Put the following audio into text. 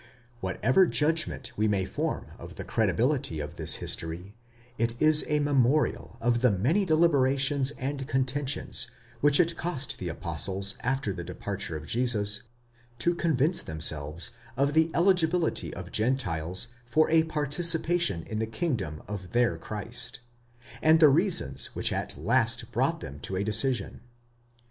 Whatever judgment we may form JESUS AS THE MESSIAH, 303 of the credibility of this history, it is a memorial of the many deliberations and contentions which it cost the apostles after the departure of Jesus, to convince themselves of the eligibility of Gentiles for a participation in the kingdom of their Christ, and the reasons which at last brought them to a decision.